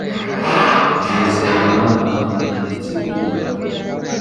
nizeyimana umwanditsi wi gitabo